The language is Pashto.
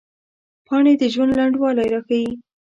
پاڼې د ژوند لنډوالي راښيي